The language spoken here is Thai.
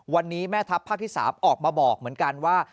วันนี้แม่ทัพภาคที่๓ออกมาบอกเหมือนกันว่า